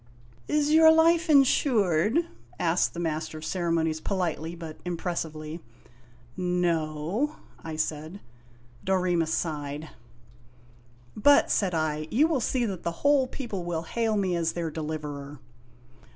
" Is your life insured ?" asked the Master of Ceremonies politely but impressively. "No," I said. Dorema sighed. "But," said I, "you will see that the whole people will hail me as their deliverer."